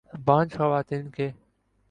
بانجھ خواتین کے